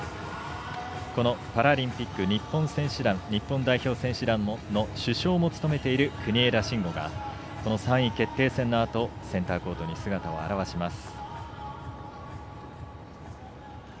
パラリンピック日本代表選手団の主将も務めている国枝慎吾が３位決定戦のあとセンターコートに姿を現します。